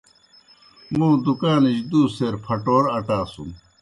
موں دُکانِجیْ دُو سیر پھٹور اٹاسُن۔